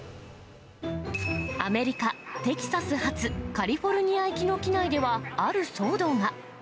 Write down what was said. アメリカ・テキサス発カリフォルニア行きの機内では、ある騒動が。